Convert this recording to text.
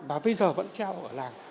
và bây giờ vẫn treo ở làng